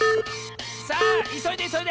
さあいそいでいそいで！